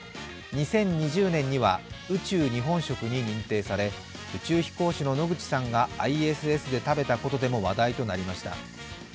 ２０２０年には宇宙日本食に認定され、宇宙飛行士の野口さんがＩＳＳで食べたことでも話題になりました。